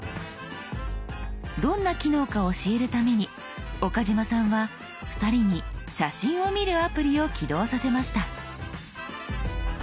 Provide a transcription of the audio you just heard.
どんな機能か教えるために岡嶋さんは２人に写真を見るアプリを起動させました。